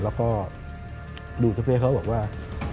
แล้วก็ดูเจ้าเป๊ะเขาบอกว่า